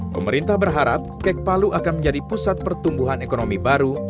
pemerintah berharap kek palu akan menjadi pusat pertumbuhan ekonomi baru